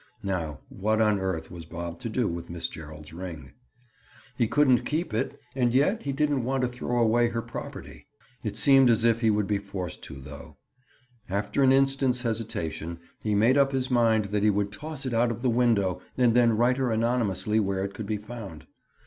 Now what on earth was Bob to do with Miss Gerald's ring? He couldn't keep it and yet he didn't want to throw away her property. It seemed as if he would be forced to, though. After an instant's hesitation he made up his mind that he would toss it out of the window and then write her anonymously where it could be found.